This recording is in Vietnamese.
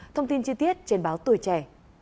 thông tin chi tiết trên báo tùy trẻ